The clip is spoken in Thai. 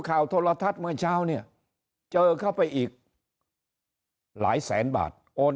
โทรทัศน์เมื่อเช้าเนี่ยเจอเข้าไปอีกหลายแสนบาทโอน